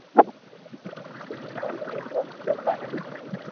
امي او فرمابردار ھين